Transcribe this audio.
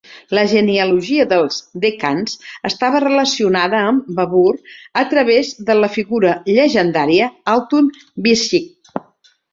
La genealogia dels The Khans estava relacionada amb Babur a través de la figura llegendària, Altun Bishik.